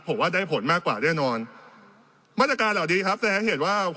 ผมว่าได้ผลมากกว่าแน่นอนมาตรการเหล่านี้ครับแสดงให้เห็นว่า